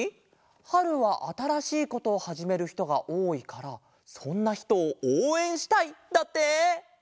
「春はあたらしいことをはじめるひとがおおいからそんなひとをおうえんしたい！」だって！いいね！